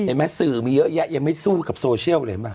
เห็นไหมสื่อมีเยอะแยะยังไม่สู้กับโซเชียลเลยเห็นไหม